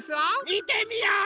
みてみよう！